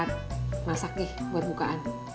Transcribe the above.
buat masak nih buat bukaan